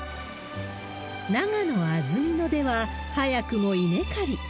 長野・安曇野では、早くも稲刈り。